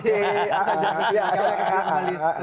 kita akan kesan sekali